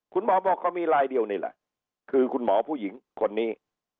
คุณหมอบอกก็มีลายเดียวนี่แหละคือคุณหมอผู้หญิงคนนี้